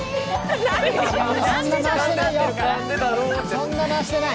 そんな回してない！